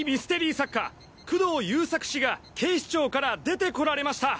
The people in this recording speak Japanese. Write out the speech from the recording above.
作家工藤優作氏が警視庁から出てこられました！